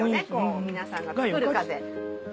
皆さんがつくる風。